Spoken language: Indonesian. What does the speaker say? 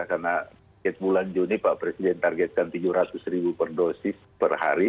karena bulan juni pak presiden targetkan tiga ratus ribu per dosis per hari